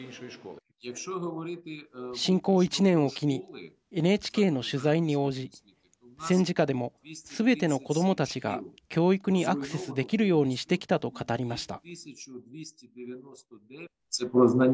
侵攻１年を機にＮＨＫの取材に応じ戦時下でもすべての子どもたちが教育にアクセスできるようにしてきたと語りました。